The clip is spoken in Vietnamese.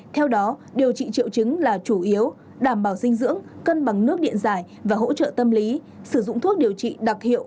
theo đó điều trị triệu chứng là chủ yếu đảm bảo dinh dưỡng cân bằng nước điện giải và hỗ trợ tâm lý sử dụng thuốc điều trị đặc hiệu